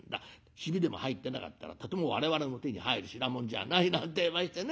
ヒビでも入ってなかったらとても我々の手に入る品物じゃない』なんてえましてね。